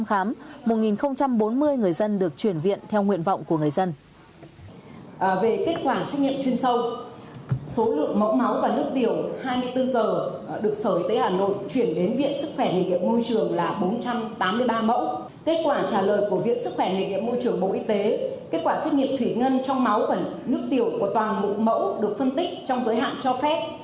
kết quả xét nghiệm thủy ngân trong máu và nước tiểu của toàn mẫu được phân tích trong giới hạn cho phép